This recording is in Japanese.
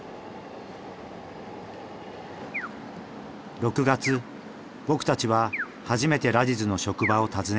６月僕たちは初めてラジズの職場を訪ねた。